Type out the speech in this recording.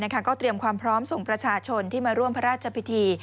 ก็เตรียมความพร้อมส่งประชาชนที่มาร่วมพระราชพิธี